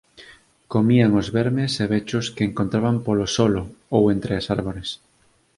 Comían os vermes e bechos que encontraban polo solo ou entre as árbores.